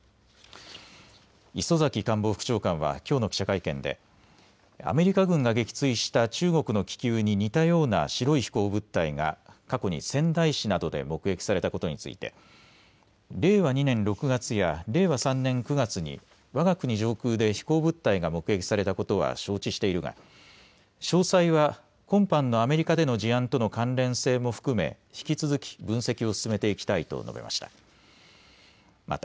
磯崎官房副長官はきょうの記者会見でアメリカ軍が撃墜した中国の気球に似たような白い飛行物体が過去に仙台市などで目撃されたことについて令和２年６月や令和３年９月にわが国上空で飛行物体が目撃されたことは承知しているが詳細は今般のアメリカでの事案との関連性も含め引き続き分析を進めていきたいと述べました。